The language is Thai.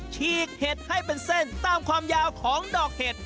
ฉีกเห็ดให้เป็นเส้นตามความยาวของดอกเห็ด